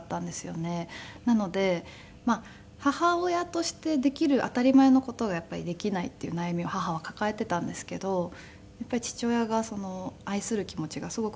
なので母親としてできる当たり前の事ができないっていう悩みを母は抱えていたんですけど父親が愛する気持ちがすごく深くて。